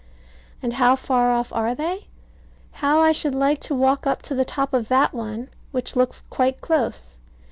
And how far off are they? How I should like to walk up to the top of that one which looks quite close.